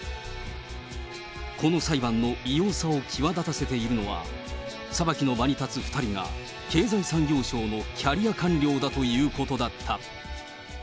この裁判の異様さを際立たせているのは、裁きの場に立つ２人が、経済産業省のキャリア官僚だということだった。